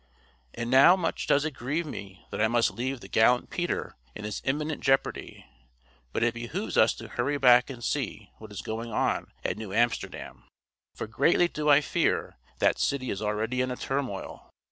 And now much does it grieve me that I must leave the gallant Peter in this imminent jeopardy; but it behooves us to hurry back and see what is going on at New Amsterdam, for greatly do I fear that city is already in a turmoil.